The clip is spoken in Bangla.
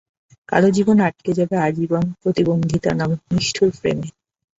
কারও জীবন আটকে যাবে আজীবন প্রতিবন্ধিতা নামক নিষ্ঠুর ফ্রেমে।